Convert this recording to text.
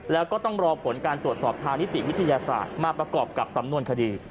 แล้วก็ต้องรอผลการตรวจสอบทางนิติวิทยาศาสตร์มาประกอบกับสำนวนคดี